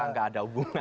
enggak ada hubungannya